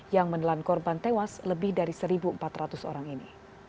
yang menelan korban tewas lebih dari satu empat ratus orang ini